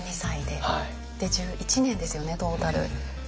で１１年ですよねトータル。